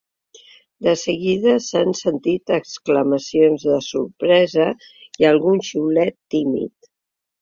De seguida s’han sentit exclamacions de sorpresa i algun xiulet tímid.